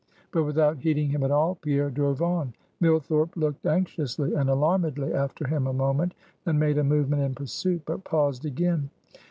But without heeding him at all, Pierre drove on. Millthorpe looked anxiously and alarmedly after him a moment, then made a movement in pursuit, but paused again.